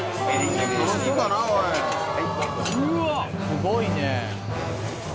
すごいね。